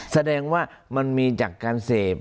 แสดงว่ามันมีจากการเสพ